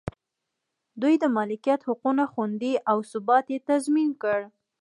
دوی د مالکیت حقونه خوندي او ثبات یې تضمین کړ.